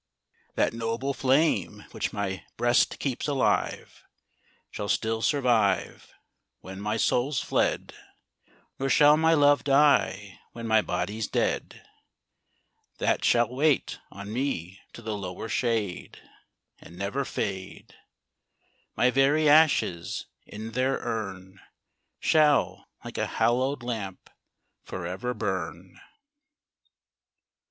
That noble flame, which my Ijreast keeps alive. Shall still survive Wlien my soul's fled ; Nor shall my love die, when ray Ijody's dead ; That shall wait on me to the lower shade, And never fade : My very ashes in their urn Shall, like a hallowed lamp, for ever burn.